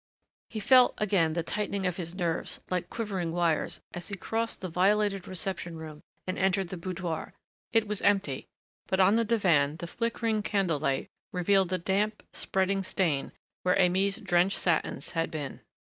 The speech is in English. He felt again the tightening of his nerves, like quivering wires, as he crossed the violated reception room and entered the boudoir. It was empty, but on the divan the flickering candle light revealed the damp, spreading stain where Aimée's drenched satins had been.